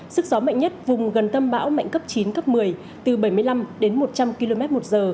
sức gió mạnh nhất vùng gần tâm bão mạnh cấp chín cấp một mươi từ bảy mươi năm đến một trăm linh km một giờ